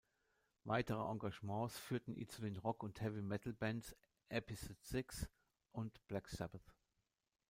Weitere Engagements führten ihn zu den Rock- und Heavy-Metal-Bands Episode Six und Black Sabbath.